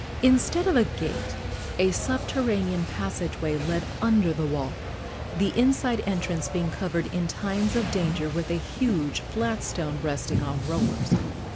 Instead of a gate, a subterranean passage way led under the wall, the inside entrance being covered in times of danger with a huge flat stone resting on rollers.